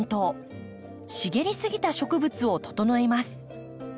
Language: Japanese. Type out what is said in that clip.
茂り過ぎた植物を整えます。